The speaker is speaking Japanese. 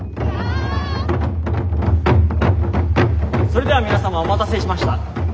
それでは皆様お待たせしました。